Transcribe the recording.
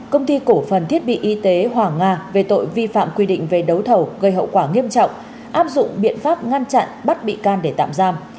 công ty cổ phần thiết bị y tế hoàng nga về tội vi phạm quy định về đấu thầu gây hậu quả nghiêm trọng áp dụng biện pháp ngăn chặn bắt bị can để tạm giam